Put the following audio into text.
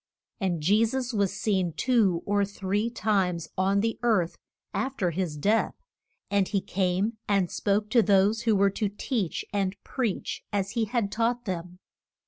And Je sus was seen two or three times on the earth af ter his death, and he came and spoke to those who were to teach and preach as he had taught them.